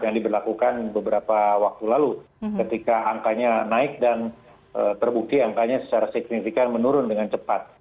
yang diberlakukan beberapa waktu lalu ketika angkanya naik dan terbukti angkanya secara signifikan menurun dengan cepat